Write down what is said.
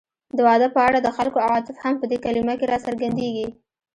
د واده په اړه د خلکو عواطف هم په دې کلمه کې راڅرګندېږي